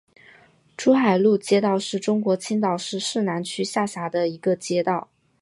珠海路街道是中国青岛市市南区下辖的一个街道。